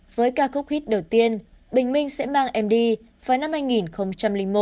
với ca khúc hit đầu tiên bình minh sẽ mang em đi vào năm hai nghìn một